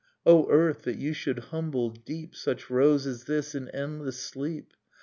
O earth, that you should humble deep Such rose as this in endless sleep !